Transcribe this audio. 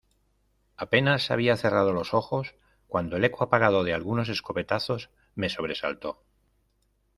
apenas había cerrado los ojos cuando el eco apagado de algunos escopetazos me sobresaltó: